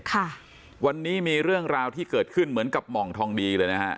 ค่ะวันนี้มีเรื่องราวที่เกิดขึ้นเหมือนกับหม่องทองดีเลยนะฮะ